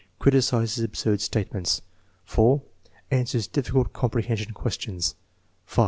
Criticises absurd statements. 4. Answers difficult "comprehension questions/* fl.